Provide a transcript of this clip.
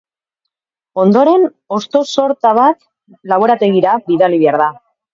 Ondoren, hosto-sorta bat laborategira bidali behar da.